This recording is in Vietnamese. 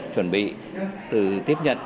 chuẩn bị từ tiếp nhận